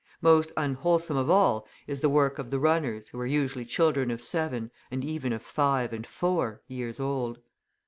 Most unwholesome of all is the work of the runners, who are usually children of seven, and even of five and four, years old.